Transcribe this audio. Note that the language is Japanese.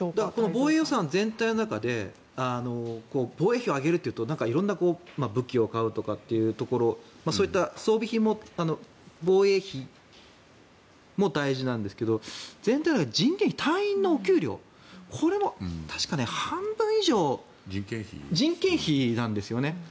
防衛予算全体の中で防衛費を上げるというと色んな武器を買うというところそういった装備品も防衛費も大事なんですけど全体の人件費隊員のお給料これも確か半分以上人件費なんですよね。